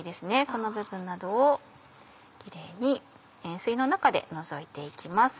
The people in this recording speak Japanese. この部分などをキレイに塩水の中で除いて行きます。